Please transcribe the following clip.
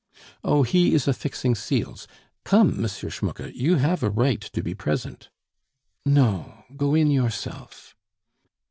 "Oh, he is affixing seals.... Come, M. Schmucke, you have a right to be present." "No go in yourself."